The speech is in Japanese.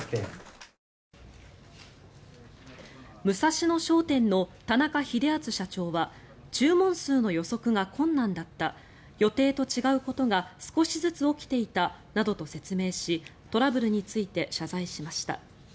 ムサシノ商店の田中秀篤社長は注文数の予測が困難だった予定と違うことが少しずつ起きていたなどと説明しトラブルについて謝罪しました。